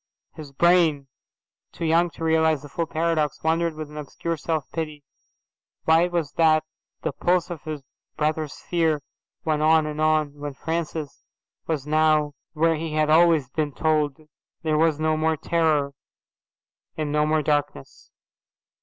His brain, too young to realize the full paradox, wondered with an obscure self pity why it was that the pulse of his brother's fear went on and on, when Francis was now where he had always been told there was no more terror and no more darkness.